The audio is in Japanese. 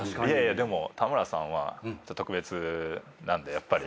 でも田村さんは特別なんでやっぱり。